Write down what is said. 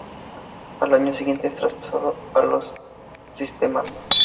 Al año siguiente es traspasado a los St.